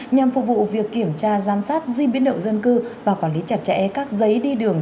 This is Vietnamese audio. nhằm phục vụ việc kiểm tra giám sát di biến động dân cư và quản lý chặt chẽ các giấy đi đường